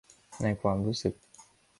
ในความรู้สึก